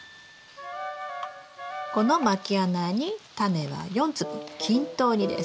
このまき穴にタネは４粒均等にです。